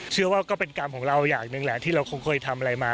ก็เป็นกรรมของเราอย่างหนึ่งแหละที่เราคงเคยทำอะไรมา